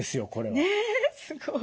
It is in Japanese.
ねえすごい。